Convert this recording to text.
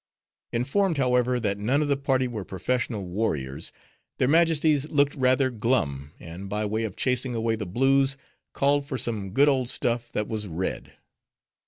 Informed, however, that none of the party were professional warriors, their majesties looked rather glum, and by way of chasing away the blues, called for some good old stuff, that was red.